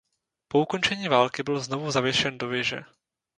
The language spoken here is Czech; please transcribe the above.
Po ukončení války byl znovu zavěšen do věže.